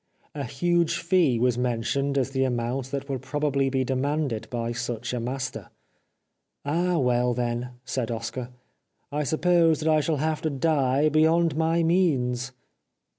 A huge fee was mentioned as the amount that would probably be demanded by such a master. " Ah, well, then," said Oscar, " I suppose that I shall have to die beyond my means."